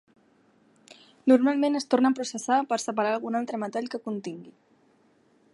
Normalment es torna a processar per separar algun altre metall que contingui.